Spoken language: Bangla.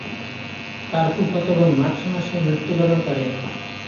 তার ফুফাতো বোন মার্চ মাসে মৃত্যুবরণ করে।